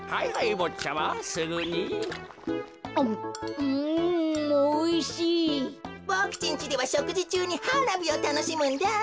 ボクちんちではしょくじちゅうにはなびをたのしむんだ。